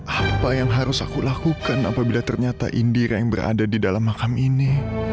apa yang harus aku lakukan apabila ternyata indira yang berada di dalam makam ini